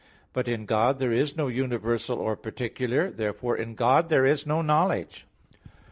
But in God there is no universal or particular (Q. 3, A. 5). Therefore in God there is not knowledge.